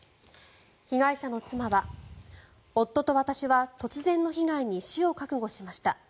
被害者の妻は夫と私は突然の被害に死を覚悟しました。